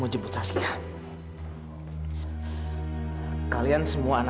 kalau kamu delirukan